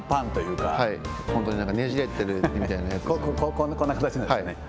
本当にねじれてるみたいなやこんな形のですね。